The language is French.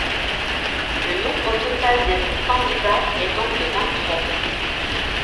Le nombre total de candidats est donc de vingt-trois.